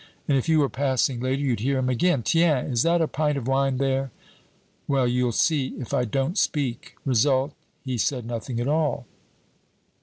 And if you were passing later you'd hear him again, 'Tiens! is that a pint of wine there? Well, you'll see if I don't speak! Result he said nothing at all.